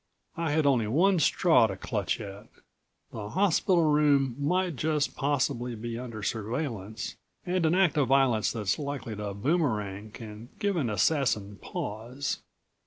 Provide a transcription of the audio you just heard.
I had only one straw to clutch at. The hospital room might just possibly be under surveillance and an act of violence that's likely to boomerang can give an assassin pause.